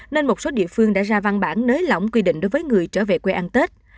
nên một số địa phương đã ra văn bản nới lỏng quy định đối với người trở về quê ăn tết